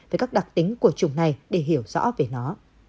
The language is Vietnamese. với các đặc tính của chủng này để hiểu rõ về nó